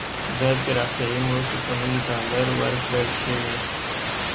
د پراختیايي مرستو په نوم ډالر ورکړل شوي.